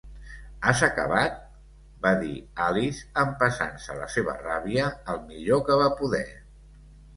"Has acabat?", va dir Alice empassant-se la seva ràbia el millor que va poder.